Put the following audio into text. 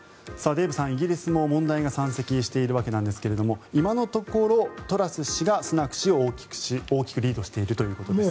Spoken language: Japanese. デーブさん、イギリスも問題が山積しているわけですが今のところ、トラス氏がスナク氏を大きくリードしているということです。